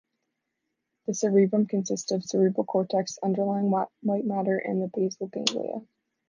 The cerebrum consists of the cerebral cortex, underlying white matter, and the basal ganglia.